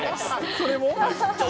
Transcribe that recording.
それも？